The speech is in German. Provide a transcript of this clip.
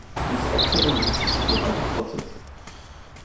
Diese Aufzählung ließe sich noch weiter fortsetzen.